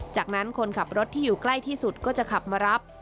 จากนั้นคนขับรถที่อยู่ใกล้ที่สุดก็จะขับมารับ